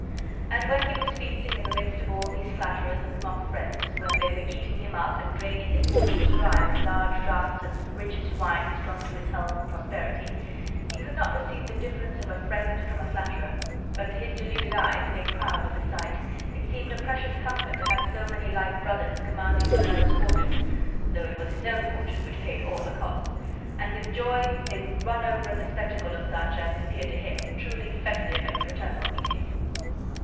And when be was feasting in the midst of all these flatterers and mock friends, when they were eating him up and draining his fortunes dry with large draughts of richest wines drunk to his health and prosperity, be could not perceive the difference of a friend from a flatterer, but to his deluded eyes (made proud with the sight) it seemed a precious comfort to have so many like brothers commanding one another's fortunes (though it was his own fortune which paid all the costs), and with joy they would run over at the spectacle of such, as it appeared to him, truly festive and fraternal meeting.